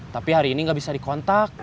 tapi hari ini nggak bisa dikontak